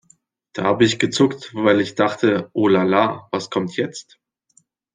Da habe ich gezuckt, weil ich dachte "Oh la la, was kommt jetzt"?